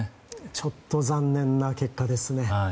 ちょっと残念な結果ですね。